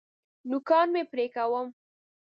نوکان مي پرې کوم .